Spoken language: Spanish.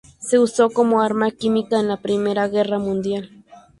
Se usó como arma química en la Primera Guerra Mundial.